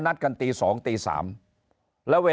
นายกรัฐมนตรีพูดเรื่องการปราบเด็กแว่น